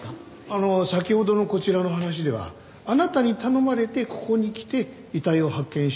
あの先ほどのこちらの話ではあなたに頼まれてここに来て遺体を発見したという事ですけど。